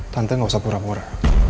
tante ga usah pura pura